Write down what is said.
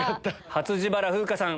初自腹風花さん